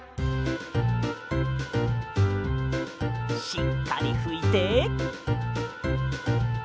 しっかりふいて。